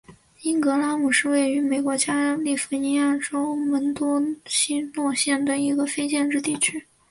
因格拉姆是位于美国加利福尼亚州门多西诺县的一个非建制地区。